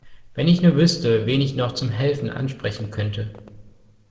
Wenn ich nur wüsste, wen ich noch zum Helfen ansprechen könnte.